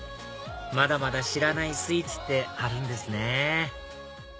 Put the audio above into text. まだまだ知らないスイーツってあるんですね